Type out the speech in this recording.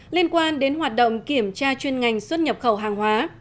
liên quan đến hoạt động kiểm tra chuyên ngành xuất nhập khẩu hàng hóa